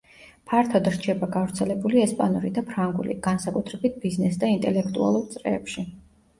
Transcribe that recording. ფართოდ რჩება გავრცელებული ესპანური და ფრანგული, განსაკუთრებით ბიზნეს და ინტელექტუალურ წრეებში.